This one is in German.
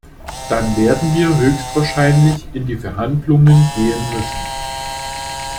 Dann werden wir höchstwahrscheinlich in die Verhandlungen gehen müssen.